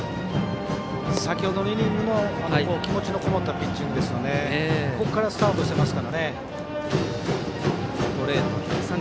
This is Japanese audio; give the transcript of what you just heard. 先ほどのイニングの気持ちのこもったピッチングからスタートしていますからね。